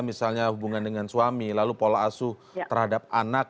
misalnya hubungan dengan suami lalu pola asuh terhadap anak